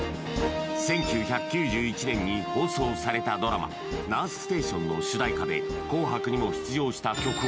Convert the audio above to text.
１９９１年に放送されたドラマ「ナースステーション」の主題歌で紅白にも出場した曲を